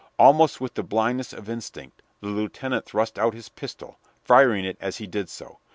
Almost with the blindness of instinct the lieutenant thrust out his pistol, firing it as he did so.